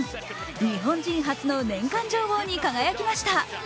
日本人初の年間女王に輝きました。